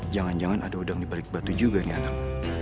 jangan jangan ada udang dibalik batu juga nih anak